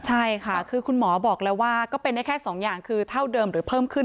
ใช่ค่ะคือคุณหมอบอกแล้วว่าก็เป็นได้แค่๒อย่างคือเท่าเดิมหรือเพิ่มขึ้น